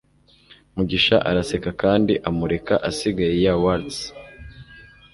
Mugisha araseka kandi amureka asigaye ya waltz.